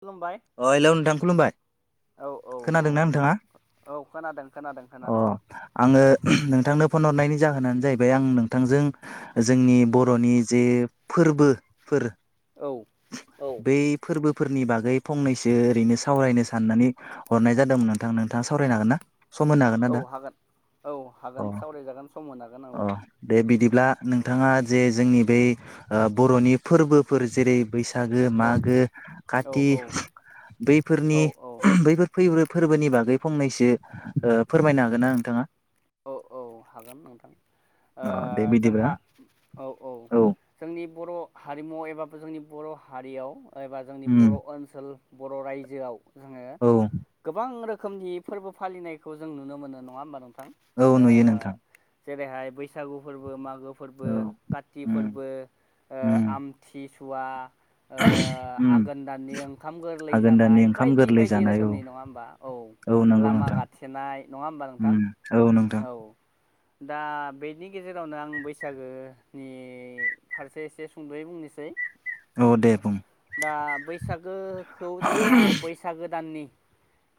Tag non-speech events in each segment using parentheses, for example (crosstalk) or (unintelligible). खुलुमबाय अ हेलौ नोंथां खुलुमबाय औ औ औ खोनादोंना नोंथाङा औ खोनादों खोनादों खोनादों अ आङो औ नोंथांनो फन हरनायनि जाहोनानो जाहै बे आं नोंथांजों जोंनि बर'नि जे फोरबोफोर औ औ बै फोरबोफोरनि बागै फंनैसो ओरैनो सावरायनो साननानै हरनाय जादोंमोन नोंथां नोंथाङा सावरायनो हागोन ना सम होनो हागोन ना दा औ हागोन अ सावरायजागोन सम होनो हागोन अ औ दे बिदिब्ला नोंथाङा जे जोंनि बेै बर'नि फोरबोफोर जेरै बैसागो औ मागो औ काति औ बे बैफोरनि औ औ बैफोर फो फोरबोनि बागै फंनैसो फोरमायनो हागोन ना नोंथाङा औ औ हागोन नोंथां अ दे आ- बिदिब्ला जोंहा औ औ जोंनि बर' हारिमु एबा जोंनि बर' हारियाव एबा जोंनि उम बर' ओनसोल बर' रायजोआव जोङो औ गोबां रो खोमनि फोरबो फालिनायखौ जों नुनो मोनो नङा होमबा नोंथां औ ओ नुयो नोंथां जेरैहाय बैसागु फोरबो मागो फोरबो औ काति उम फोरबो ओ उम आमथिसुवा ओ उम आघोन दाननि ओंखाम गोरलै हागोन दानि जानाय ओंखाम बायदि गोरलै बायदि जानाय औ रोखोमनि नङा होमबा औ औ नंगौ लामा नोंथां गाथेनाय नङा होमबा नोंथां उम औ नोंथां औ दा बेनि गेजेरावनो आं बैसागोनि फारसे एसे सुंद'यै बुंनोसै औ दे बुंं दा बैसागोखौ जोङोआ बैसागो दाननि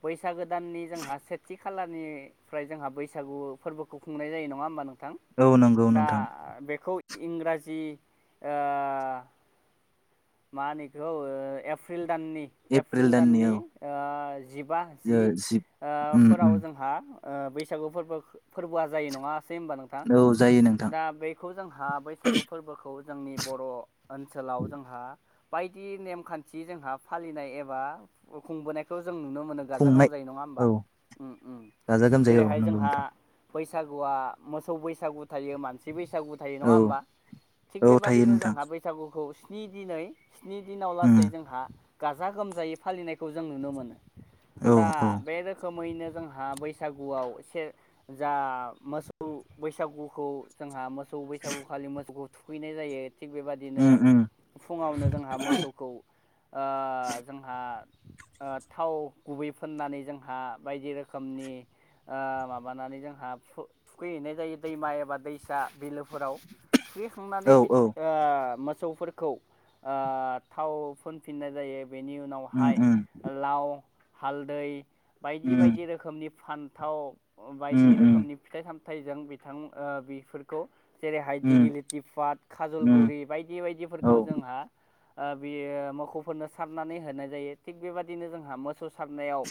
बैसागो दाननि जोंहा सेथि खालारनिफ्राय जोंहा बैस सागु फोरबोखौ खुंनाय जायो नङा हमबा नोंथां औ नंगौ दा नोंथां बेखौ इंराजि ओ मा होनो इखौ एफ्रिल दाननि एप्रिल एफ्रिल औ दाननि ओ जिबा जि ओ उम उम फोराव जोंहा ओ बैसागु फोरबो-फोरबोआ जायो नङा सै होमबा नोंथां औ जायो नोंथां दा बेखौ जोंहा बैसागु फोरबोखौ जोंनि बर' ओनसोलाव जोंहा बायदि नेमखान्थि जोंहा फालिनाय एबा खुंबोनायखौ जों नुनो मोनो गाजा खुंनाय गोमजायै नङा होमबा औ उम उम गाजा गोमजायै औ जेरैहाय नंगौ जोंहा नोंथां बैसागुआ मोसौ बैसागु थायो मानसि बैस सागु थायो नङा औ होमबा थिग औ थायो बेबादिनो नोंथां जोंहा बैसागुखौ स्नि दिनै स्नि दिनाव उम लासै जोंहा गाजा गोमजायै फालिनायखौ जों नुनो मोनो औ दा औ बे रोखोम मैनो जोंहा बैसागुआव से जा मोसौ बैसागुखौ जोंहा मोस सौ बैसागु खालि मोसौखौ थुखैनाय जायो थिग बेबादिनो उम उम फुङावनो आ मोसौखौ आ जोंहा ओ थाव गुबै फुननानै जोंहा बायदि रोखोमनि आ माबानानै जोंहा फु थुखैहैनाय जायो दैमा एबा दैसा बिलोफोराव थुखैखांनानै औ बि औ ओ मोसौफोरखौ ओ थाव फुनफिननाय जायो बेनि उम उनावहाय उम लाव हालदै बायदि उम बायदि रोखोमनि फान्थाव उम बायदि उम रोखोमनि फिथाइ साम थायजों बिथां ओ बिफोरखौ जेरैहाय उम दिगिलिटि फाट उम खाजलगुरि बायदि औ बायदिफोरखौ जोंहा आ बियो मोसौफोरनो सारनानै होनाय जायो थिग बेबादिनो जोंहा मोसौ सारनायाव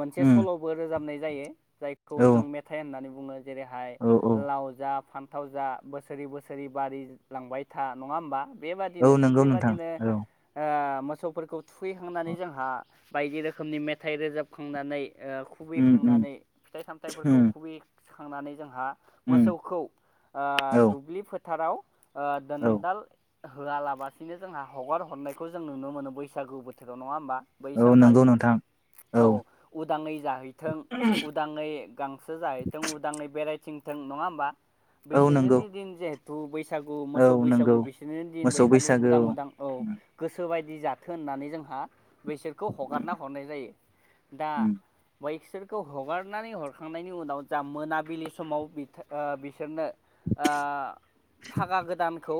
मोनसे उम सल'बो रोजाबनाय जायो जायखौ औ जों मेथाइ होननानै बुङो जेरैहाय औ औ लाव जा फान थाव जा बोसोरै बोसोरै बारि लांबाय था नङा होमबा औ बेबादिनो थिग नंगौ नोंथां बेबादिनो औ ओ मोसौफोरखौ थुखैखांनानै जोंहा बायदि रोखोमनि मेथाइ रोजाबखांनानै ओ खुबै उम उम खांनानै फिथाइ सामथाइफोरखौ उम खुबैखांनानै जोंहा उम मोसौखौ औ दुब्लि आ फोथाराव आ औ दोनदाल होआलाबासिनो जोंहा हगार हरनायखौ जों नुनो मोनो बैसागु बोथोराव नङा होमबा बै औ नंगौ सानखालि नोंथां औ उदाङै जाहैथों उदाङै गांसो जाहैथों उदाङै बेरायथिं थों नङा होमबा औ नंगौ बैसोरनि दिन जिहेथु बैस सागु मोसौ औ बैसागु नंगौ बिसोरनि दिन मोसौ बै खालि बैसागो उदां उदां औ उम गोसो बाय दि जाथो होननानै जोंहा बैसोरखौ हगारना हरनाय जायो दा उम बैसोर खौ हगारनानै हरखांनायनि उनाव जा मोनाबिलि समाव बिथ ओ बिसोरनो आं फागा गोदानखौ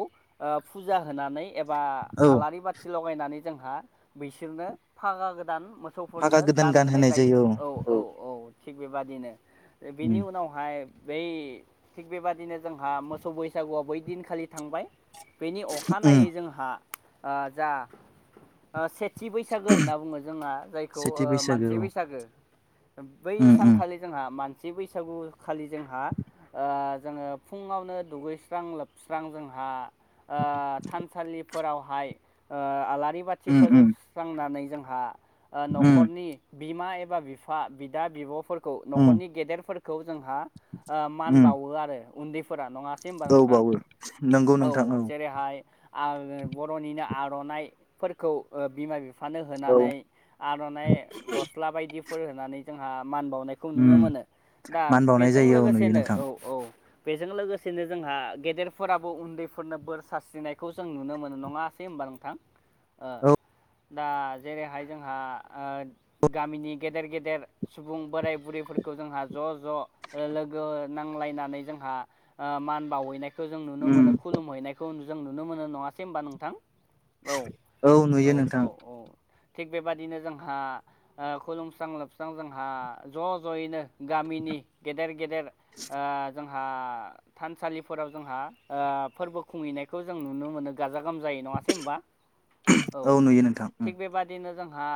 फुजा होनानै बा औ आलारि बाथि लगायनानै जोंहा बिसोरनो फागा गोदान मोसौफोरनो गानहोनाय जायो औ औ औ थिग बेबादिनो उम बेनि उनावहाय बै थिग बेबादिनो जोंहा मोसौ बैसागुआव बै दिनखालि थांबाय बेनि उम अखानायै जोंहा जा से थि बैसागो होनना बुङो जोंहा जायखौ सेथि ओ बैसागो मानसि औ बैसागो बै उम उम सानखालि जोंहा मान सि बैसागु खालि जोंहा ओ जोङो फुङावनो दुगैस्रां लोबस्रां जोंहा ओ थानसालिफोरावहाय ओ आलारि बाथि उम उम फोजोबस्रांनानै जोंहा उम न'खरनि बिमा एबा बिफा बिदा बिब'फोर खौ उम न'खरनि गेदेरफोरखौ जोंहा ओ मान उम बावो आरो उन्दै फोरा नङासै होनबा औ नोंथां बावो नंगौ नोंथां औ जेरैहाय आ (unintelligible) आर'नाफोरखौ ओ बिमा बि फानो होनानै औ आर'नाइ गस्ला बायदिफोर होनानै जोंहा मान बावनायखौ नुनो उम मोनो दा मान बावनाय बेजों जायो औ नुयो लोगोसेनो नोंथां औ औ बेजों लोगोसेनो जोंहा गेदेरफोराबो उन्दैफोरनो बोर सारस्रिनायखौ जों नुनो मोनो नङासै होनोमबा नोंथां ओ। औ दा जेरैहाय जोंहा ओ गामिनि गेदेर गेदेर सुबुं बोराय बुरै फोरखौ जोंहा ज' ज' लोगो नांलायनानै जोंहा ओ मान बावैनाय खौ जों नुनो मोनो उम खुलुमहैनायखौ जों नुनो मोनो नङासै होनबा नोंथां औ नुयो औ औ नोंथां औ थिग बेबादिनो जोंहा खुलुमस्रां लोबस्रां जोंहा ज' ज'यैनो गामिनि नि गेदेर गेदेर ओ जोंहा थानसालिफोराव जोंहा ओ फोरबो खुंहैनायखौ जों नुनो मोनो गाजा गोमजायै। नङासै होमबा? औ नुयो नोंथां उम थिग बेबायदिनो जोंहा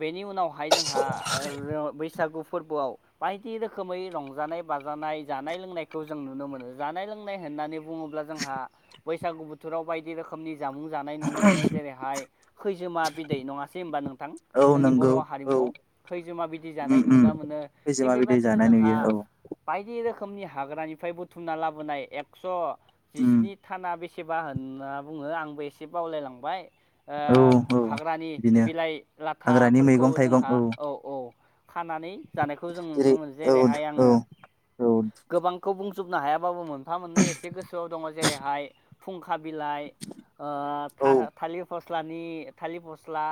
बेनि उनावहाय जोंहा ओ र-बैसागु फोरबोआव बायदि रोखोमै रंजानाय बाजानाय जानाय लोंनायखौ जों नुनो मोनो जानाय लोंनाय होन नानै बुङोब्ला जोंहा बैसागु बोथोराव बायदि रोखोमनि जामुं जानाय नुनो मोनो जेरैहाय खैजोमा बिदै नङासै होमबा नोंथां औ जोंनि नंगौ बर' औ हारिमु खैजोमा बिदि उम जानाय उम नुनो मोनो थिग खैजोमा बिदै बेबायदिनो जानाय जोंहा नुयो औ बायदि रो खोमनि हाग्रानिफ्राय बुथुमना लाबोनाय एकस' उम जिस्नि थाना बेसे सेबा होनना बुङो आंबो एसे बावलायलांबाय औ औ ओ हाग्रानि बिदिनो बिलाइ हाग्रानि लाथाफोरखौ मैगं थाइगं जोंहा औ औ खानानै जानायखौ जों जेरै नुनो मोनो औ जेरैहाय आङो औ औ जोबनो हायाबाबो मोनफा मोननै एसे गोसोआव दङ जेरैहाय फुंखा बिलाइ ओ औ था-थालिर फस्लानि थालिर फस्ला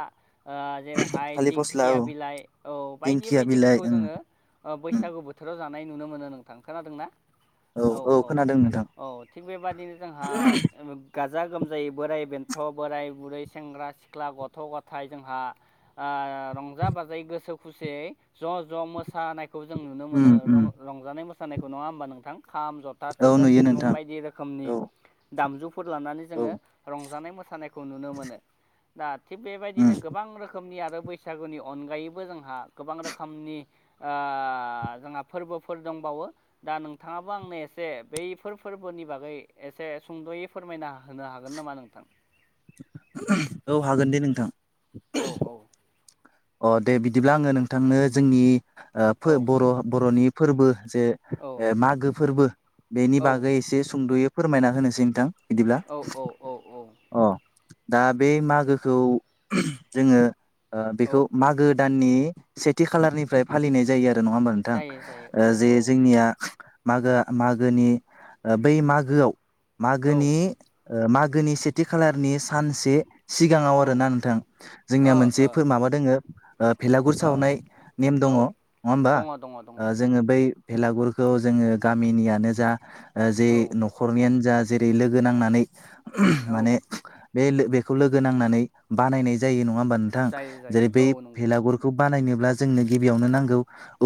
ओ जेरैहाय थालिर फस्ला दिंखिया औ बिलाइ औ बायदि दिंखिया बिलाइ बायदिफोरखौ ओं जोङो ओ ओं बैसागु बोथोराव जानाय नुनो मोनो नोंथां खोनादों ना औ औ औ थिग बेबादिनो जोंहा गाजा गोमजायै बोराइ बेन्थ' बोराय बुरै सेंग्रा सिख्ला गथ' गथाय जोंहा ओ रंजा बाजायै गोसो खुसियै ज' ज' मोसानाय खौ जों नुनो उम मोनो उम रंजानाय मोसानायखौ नङा होमबा नोंथां खाम जथा औ थेरजा नुयो सिफुं नोंथां बायदि रोखोमनि औ दामजुफोर लानानै औ जोङो रं जानाय मोसानायखौ नुनो मोनो दा थिग बेबायदिनो उम गोबां रोखोमनि आरो बैसागुनि अनगायैबो जोंहा गोबां रोखोमनि ओ जोंहा फोरबोफोर दं बावो दा नोंथाङाबो आंनो एसे बैफोर फोरबोनि बागै एसे सुंद'यै फोरमायना होनो हागोन नामा नोंथां औ हागोन दे नोंथां औ औ अ दे बिदिब्ला आङो नोंथांनो जोंनि औ बर' बर'नि फोरबो जे औ मागो फोरबो बेनि औ बागै एसे सुंद'यै फोरमायना होनोसै नोंथां। बिदिब्ला औ औ औ औ अ दा बे मागोखौ जोङो ओ औ बेखौ मागो दाननि सेथि खालारनिफ्राय फालिनाय जायो आरो नङा होमबा जायो जायो औ नोंथां जे औ जोंनिया मागो मागोनि बै मागोआव मागोनि ओ मागोनि सेथि खालारनि सानसे सिगाङाव औ औ आरो ना नोंथां जोंनिया ओ मोनसे माबा दोङो ओ भिलागुर ओ साहरनाय नेम दङ ओ औ नङा होमबा दङ दङ दङ जोङो बै भेलागुरखौ जोङो गामिनियानो जा जे औ न'खरनियानो जा जेरै लोगो नांनानै औ माने बे बेखौ लोगो नांनानै बानायनाय जायो नङा होमबा नोंथां जायो जायो जेरै बै औ नंगौ भेलागुरखौ बानायनोब्ला जोंनो गिबियावनो नांगौ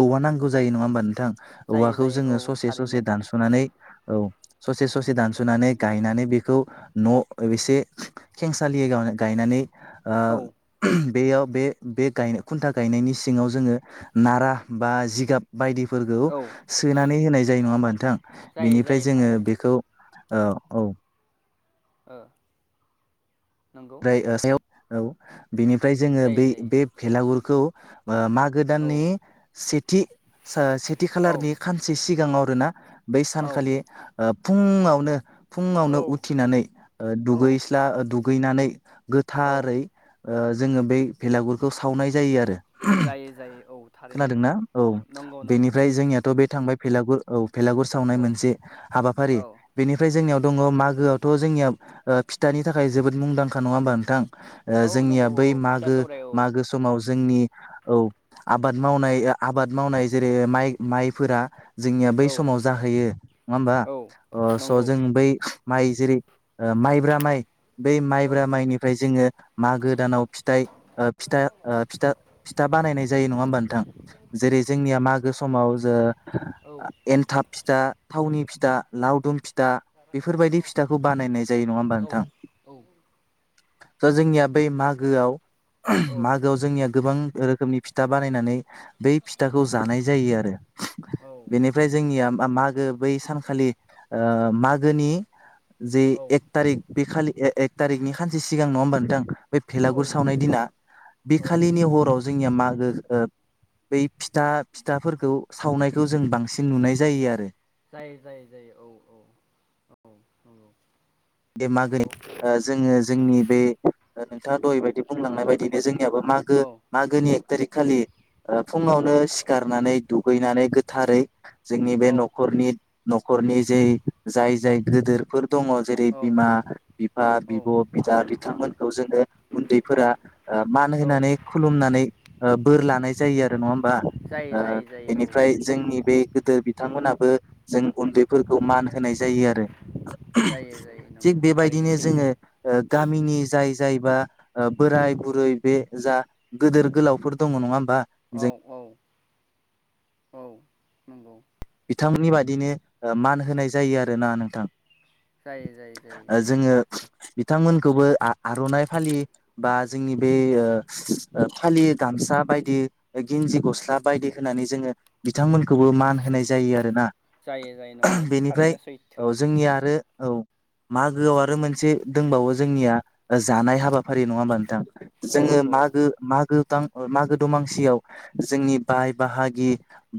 औवा नांगौ जायो नङा होमबा नोंथां। जायो औवाखौ जायो जोङो औ ससे थारैनो ससे दानस'नानै औ ससे ससे दानस'नानै गायनानै बेखौ न' एसे खेंसालि गायनानै ओ औ बेयाव बे बे गाय खुन्था गायनायनि सिङाव जोङो नारा बा जिगाब बायदि फोरखौ औ सोनानै होनाय जायो नङा होमबा नोंथां जायो बेनिफ्राय जायो जोङो थारैनो बेखौ औ औ ओ नंगौ ओमफ्राय सायाव औ बेनिफ्राय जोङो जायो बे बे जायो भेलागुरखौ मागो दाननि औ सेथि सेथि औ खालारनि खानसे सि सिगाङाव आरोना बै औ सानखालि फुङावनो फुङावनो औ उथिनानै औ दुगैस्ला दुगैनानै औ गोथारै ओ जोङो बे भेलागुरखौ सावनाय जायो आरो जायै जायै औ थारैनो खोनादोंना औ नंगौ नंगौ नंगौ बेनिफ्राय जोंनियाथ' बे थांबाय भेगुर औ भेलागुर सावनाय औ मोनसे हाबाफारि औ बेनिफ्राय जोंनियाव दङ मागोआवथ' जोंनिया फिथानि थाखाय जोबोद मुंदांखा नङा होमबा नोंथां। ओ औ जोंनिया नंगौ बै औ फिथा मागो सौराय औ मागो समाव जोंनि औ आबाद मावनाय आबाद मावनाय जेरै माइ माइफोरा जोंनिया बै औ समाव जाहैयो नङा होमबा औ ओ स' नंगौ जों बै माइ जेरै ओ माइब्रा माइ बे मा औ ब्रा माइनिफ्राय जोङो मागो दानाव फिथाइ फिथा ओ फिथा बानायनाय जायो। नङा होमबा नोंथां जेरै जोंनिया मागो समाव जो औ एनथाब फिथा थावनि फिथा लावदुम फि था बेफोरबायदि फिथाखौ बानायनाय जायो नङा होमबा औ नोंथां। दा जोंनिया बै मागोआव औ मागोआव जोंनिया गोबां रोखोमनि फिथा बानायनानै बै फिथाखौ जानाय जायो आरो औ बेनिफ्राय जोंनिया मागो बै सानखालि ओ मागोनि जे एकथारिक बे खालि एक थारिकनि खानसे सिगां नङा होमबा नोंथां बे औ भेलागुर सावनाय दिना बे औ खालिनि हराव जोंनिया मागो ओ बै फिथा फिथाफोरखौ सावनायखौ जों बांसिन नुनाय जायो आरो जायो जायो जायो औ औ औ औ दे मागै जोङो जोंनि बे नोंथाङा (unintelligible) बि औ बुंलांनाय बायदिनो जोंनियाबो मागो औ मागोनि एक थारिक खालि ओ फुङावनो सिखारनानै दुगैनानै गोथारै जोंनि बे औ न'खरनि न'खरनि जे जाय जाय गिदोरफोर दङ जेरै औ बिमा बिफा औ बिब' बिदा बिथांमोनखौ जोङो उन्दैफोरा मान होनानै खुलुमनानै बोर लानाय जायो आरो नङा होमबा जायो जायो जायो औ बेनिफ्राय जोंनि बे गोदो बिथांमोनाबो जों। उन्दैफोरखौ मान होनाय जायो आरो। जायो जायो थिग नंगौ थारैनो बेबायदिनो सैथो। जोङो गामिनि जाय जायबा बोराय बुरै बे जा गिदोर गोलावफोर दङ नङा औ जों औ औ नंगौ। थांनि बादिनो ओ मान होनाय जायो आरोना नोंथां। जायो जायो जायो औ जोङो बिथांमोनखौबो आर'नाइ फालि बा जोंनि बे ओ फालि गामसा स्ला बायदि गेनजि गस्ला बायदि होननानै जोङो बिथांमोनखौबो मान होनाय। जायो आरोना जायो जायो नंगौ बेनिफ्राय थारैनो सैथो ओ जोंनि आरो। औ मागोआव आरो मोनसे दंबावो जोंनिया जानाय हाबाफारि नङा होमबा नोंथां? औ जोङो औ मागो मागो। थां मागो दमासियाव जोंनि बाय बाहागि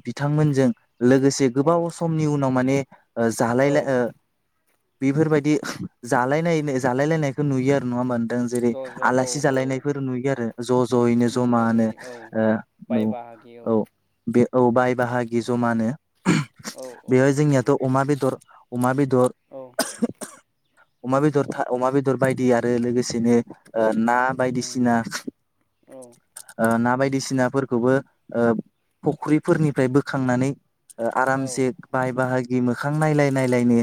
बिथांमोनजों। लोगोसे औ गोबाव समनि उनाव माने औ जालायलाय ओ बेफोरबायदि जालाय जालायलायनायखौ नुयो आरो नङा होमबा नोंथां? जेरै ज' ज' औ आलासि औ जालायनायफोर नुयो आरो ज' ज'यैनो नुयै जमानो नुयै औ नो बाय बाहागि औ बे औ बाय बाहागि जमानो औ औ बेहाय जोंनियाथ' नंगौ अमा बेदर अमा बेदर औ अमा बेदर था अमा बेदर बायदि आरो लोगोसेनो ओ ना उम बायदिसिना औ औ ओ ना बायदि बायदिसिनाफोरखौबो ओ फुख्रिफोरनिफ्राय बोखांनानै ओ आरामसे बाय बाहागि मोखां नायलाय नायलायनो।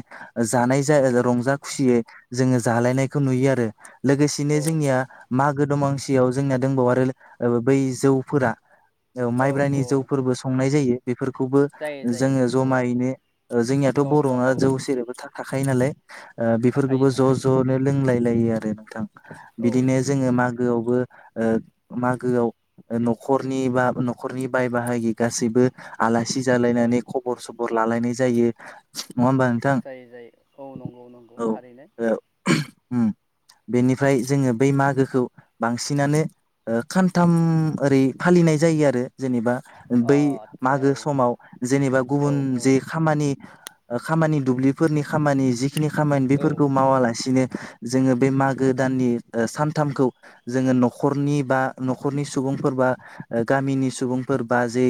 जानाय जा औ रंजा खुसियै जोङो जालायनायखौ नुयो आरो लोगोसेनो औ जोंनिया मागो दमासियाव जोंनाया दंबावो आरो ब्रैजौ फोरा औ माइब्रानि जौफोरबो संनाय जायो बेफोरखौबो। जायो जायो जोङो जमायैनो ओ जोंनियाथ' औ ज' बर'ना औ जौ सेरेबबो थाखायो नालाय। ओ थाखायो बेफोरखौबो ज' थाखायो ज'नो लोंलाय लायो आरो नोंथां औ बिदिनो जोङो मागो मागोआवबो ओ मागोआव नख'रनि बा न'खरनि बाय बाहागि गासिबो आलासि औ जालायनानै खबर सबर लालायनाय जायो। होमबा नोंथां जायै जायै औ नंगौ नंगौ थारैनो। ओम बेनिफ्राय जोङो बै मागोखौ बांसिनानो ओ खानथाम ओरै फालिनाय जायो आरो जेनेबा अ बै आदसा मागो औ समाव जेनेबा औ गुबुन औ जे खामानि खामानि दुब्लिफोरनि खामानि जिखिनि खामानि औ बेफोरखौ मावालासिनो जोङो बे मागो दाननि सानथामखौ जोङो न'खरनि बा न'खरनि सुबुं सुबुंफोर बा गामिनि सुबुंफोर बा जे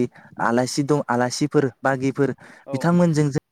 आलासि दं। आलासिफोर बागिफोर औ बिथांमोनजों जों